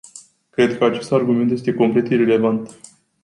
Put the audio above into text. Cred că acest argument este complet irelevant.